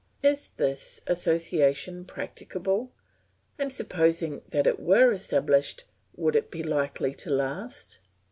Is this association practicable, and supposing that it were established, would it be likely to last?